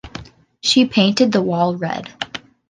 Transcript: She painted the wall red.